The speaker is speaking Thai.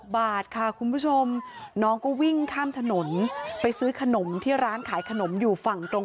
บาทค่ะคุณผู้ชมน้องก็วิ่งข้ามถนนไปซื้อขนมที่ร้านขายขนมอยู่ฝั่งตรง